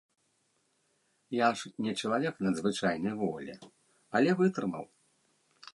Я ж не чалавек надзвычайнай волі, але вытрымаў.